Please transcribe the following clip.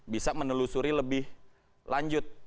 bisa menelusuri lebih lanjut